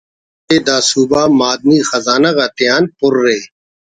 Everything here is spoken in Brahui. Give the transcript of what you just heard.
ہموڑے دا صوبہ معدنی خزانہ غاتیان پرءِ